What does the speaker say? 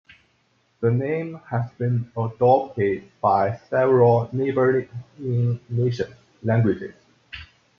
The name has been adopted by several neighbouring nations' languages.